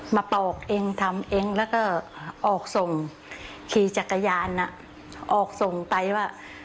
มาปอกเองทำเองเล่าออกส่งขี่จักรยานเอาออกส่งไปว่า